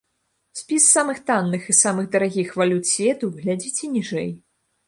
Спіс самых танных і самых дарагіх валют свету глядзіце ніжэй.